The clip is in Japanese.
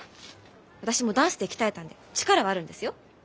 私もダンスで鍛えたんで力はあるんですよ。